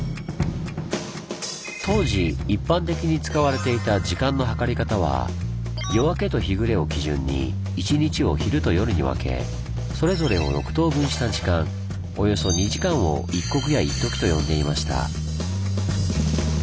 当時一般的に使われていた時間の計り方は夜明けと日暮れを基準に一日を昼と夜に分けそれぞれを６等分した時間およそ２時間を「一刻」や「一時」と呼んでいました。